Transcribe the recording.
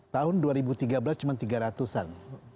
tahun dua ribu tiga belas cuma tiga ratus an